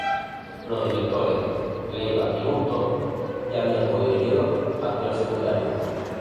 Los directores, Leiva y Bustos, ya habían co-dirigido Actores Secundarios.